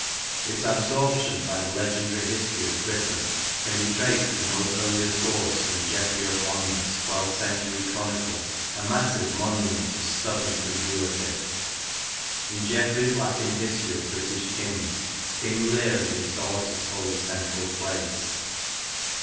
Its absorption by the legendary history of: Britain can be traced to no earlier source than Geoffrey of Monmouth's twelfth century chronicle, a massive monument of stubborn credulity. In Geoffrey's Latin history of British Kings, King Lear and his daughters hold a central place.